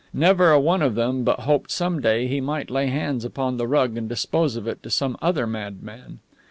Never a one of them but hoped some day he might lay hands upon the rug and dispose of it to some other madman.